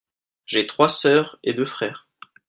J'ai trois sœurs et deux frères.